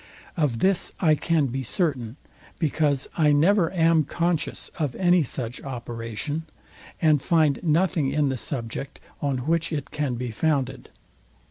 Of this I can be certain, because I never am conscious of any such operation, and find nothing in the subject, on which it can be founded.